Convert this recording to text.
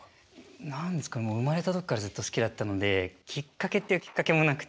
何ですかもう生まれた時からずっと好きだったのできっかけっていうきっかけもなくて。